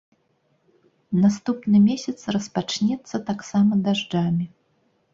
Наступны месяц распачнецца таксама дажджамі.